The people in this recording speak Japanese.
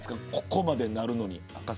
ここまでなるのに。